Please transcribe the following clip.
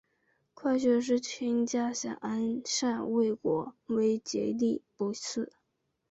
快雪时晴佳想安善未果为结力不次。